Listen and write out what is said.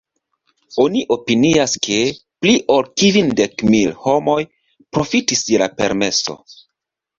Oni opinias ke, pli ol kvindek mil homoj profitis je la permeso.